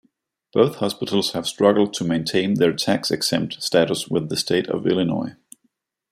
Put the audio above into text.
Both hospitals have struggled to maintain their tax-exempt status with the State of Illinois.